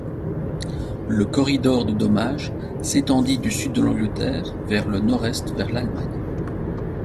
Le corridor de dommages s'étendit du sud de l'Angleterre vers le nord-est vers l'Allemagne.